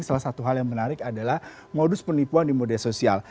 salah satu hal yang menarik adalah modus penipuan di media sosial